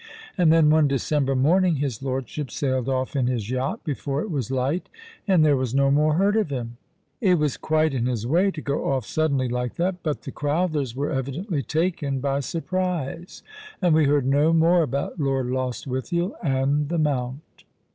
And then one December morning his lordship sailed off in his yacht before it was light, and there was no more heard of him. It was quite in his way to go off sud denly like that, but the Crowthers were evidently taken by surprise, and we heard no more about Lord Lostwithiel and the Mount."